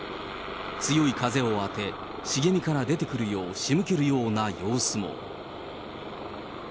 強い風を当て、茂みから出てくるよう仕向けるような様子も。